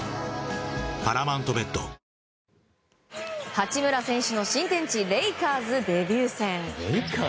八村選手の新天地レイカーズデビュー戦。